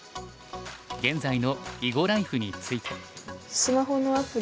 現在の囲碁ライフについて。